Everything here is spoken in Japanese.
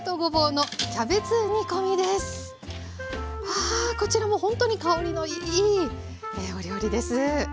はあこちらもほんとに香りのいいお料理です。